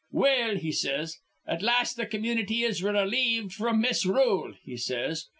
'Well,' he says, 'at last th' community is relieved fr'm misrule,' he says.